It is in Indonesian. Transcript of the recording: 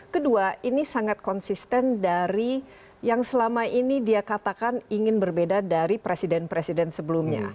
kedua ini sangat konsisten dari yang selama ini dia katakan ingin berbeda dari presiden presiden sebelumnya